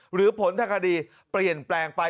หรือผลทางคดีเปลี่ยนแปลงไป